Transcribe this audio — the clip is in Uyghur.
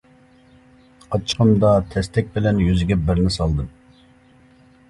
ئاچچىقىمدا تەستەك بىلەن يۈزىگە بىرنى سالدىم.